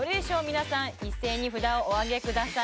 皆さん一斉に札をおあげください